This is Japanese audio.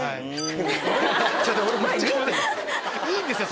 いいんですよ！